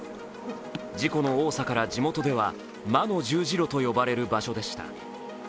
事故の多さから地元では魔の十字路と呼ばれる場所でした。